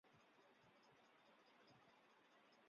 莫科托夫区是波兰首都华沙的一个行政区。